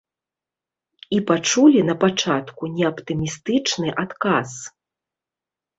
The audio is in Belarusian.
І пачулі напачатку не аптымістычны адказ.